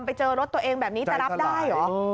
ไปเจอรถตัวเองแบบนี้จะรับได้เหรอ